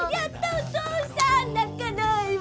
お父さん泣かないわ。